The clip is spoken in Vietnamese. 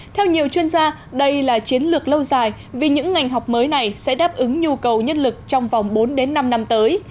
theo nhiều chuyên gia đây là chiến lược lâu dài vì những ngành học mới này sẽ đáp ứng nhu cầu nhân lực trong vòng bốn năm năm tới